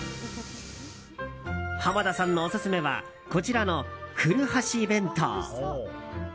濱田さんのオススメはこちらの、ふるはし弁当。